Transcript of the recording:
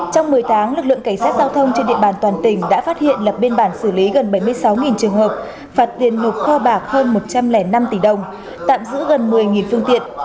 trong một mươi tháng lực lượng cảnh sát giao thông trên địa bàn toàn tỉnh đã phát hiện lập biên bản xử lý gần bảy mươi sáu trường hợp phạt tiền nộp kho bạc hơn một trăm linh năm tỷ đồng tạm giữ gần một mươi phương tiện